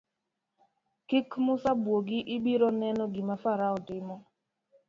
Kik Musa buogi ibiri neni gima farao timo.